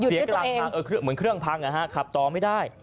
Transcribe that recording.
เออหยุดด้วยตัวเองเหมือนเครื่องพังอะฮะขับตอไม่ได้